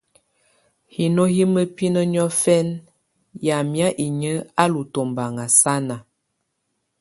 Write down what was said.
Hino hɛ̀ mǝpinǝ́ niɔ̀fɛna yamɛ̀á inyǝ́ á lù tɔmbaŋa sana.